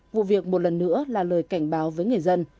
vụ việc một lần nữa là lời cảnh báo với người dân